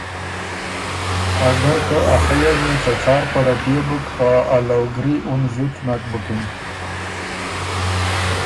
اګر که ا خئ ان يې ته څار پړپئے بُک خه ا لؤګِرئ اُن زُت نک بُکِن